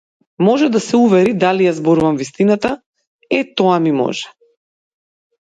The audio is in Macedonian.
Може да се увери дали ја зборувам вистината, е тоа ми може.